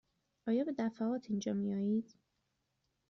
آیا به دفعات اینجا می آیید؟